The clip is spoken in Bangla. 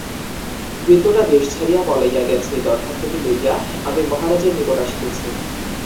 ভৃত্যটা দেশ ছাড়িয়া পলাইয়া গেছে, দরখাস্তটি লইয়া আমি মহারাজার নিকট আসিতেছি।